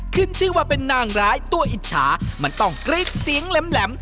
ขึ้นชื่อว่าเป็นนางร้ายตัวอิจฉามันต้องกรี๊ดเสียงแหลม